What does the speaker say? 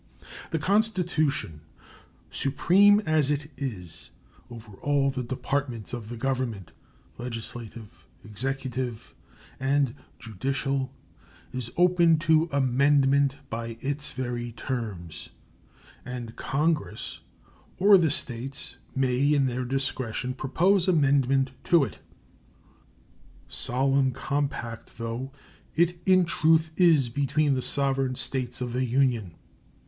The Constitution, supreme, as it is, over all the departments of the Government legislative, executive, and judicial is open to amendment by its very terms; and Congress or the States may, in their discretion, propose amendment to it, solemn compact though it in truth is between the sovereign States of the Union.